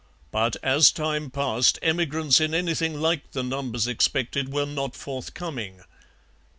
But as time passed emigrants in anything like the numbers expected were not forthcoming.